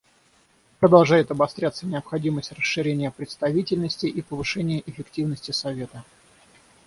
Продолжает обостряться необходимость расширения представительности и повышения эффективности Совета.